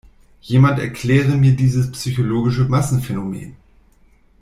Jemand erkläre mir dieses psychologische Massenphänomen!